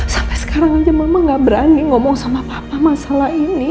sampai sekarang aja mama gak berani ngomong sama papa masalah ini